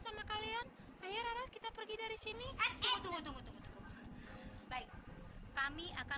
sama kalian ayora kita pergi dari sini ayo tunggu tunggu tunggu tunggu tunggu baik kami akan